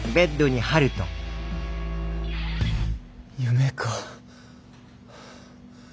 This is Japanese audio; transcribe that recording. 夢か。